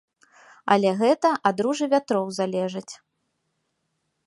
Але гэта ад ружы вятроў залежыць.